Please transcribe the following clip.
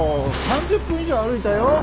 ３０分以上歩いたよ。